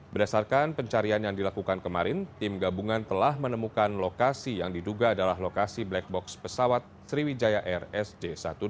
berdasarkan pencarian yang dilakukan kemarin tim gabungan telah menemukan lokasi yang diduga adalah lokasi black box pesawat sriwijaya rsj satu ratus delapan puluh